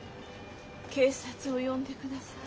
警察を呼んでください。